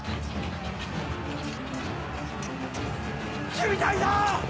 守備隊だ！